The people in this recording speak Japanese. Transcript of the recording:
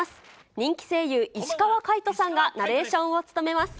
人気声優、石川界人さんがナレーションを務めます。